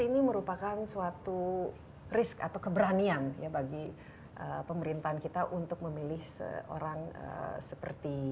ini merupakan suatu risk atau keberanian ya bagi pemerintahan kita untuk memilih seorang seperti